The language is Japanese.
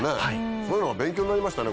そういうのが勉強になりましたね。